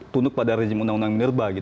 tunduk pada rezim undang undang menerba